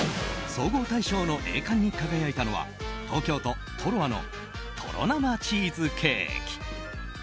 総合大賞の栄冠に輝いたのは東京都、ｔｏｒｏａのとろ生チーズケーキ。